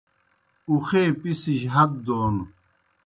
اُخے پسِجیْ ہت دون